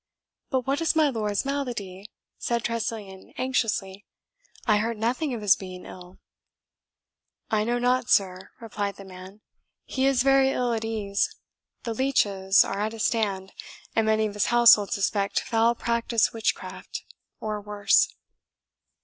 "But what is my lord's malady?" said Tressilian anxiously; "I heard nothing of his being ill." "I know not, sir," replied the man; "he is very ill at ease. The leeches are at a stand, and many of his household suspect foul practice witchcraft, or worse."